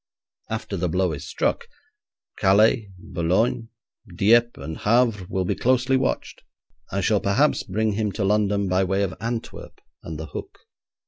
After the blow is struck, Calais, Boulogne, Dieppe, and Havre will be closely watched. I shall perhaps bring him to London by way of Antwerp and the Hook.'